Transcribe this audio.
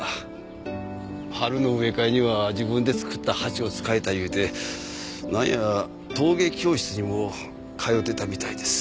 春の植え替えには自分で作った鉢を使いたい言うてなんや陶芸教室にも通うてたみたいです。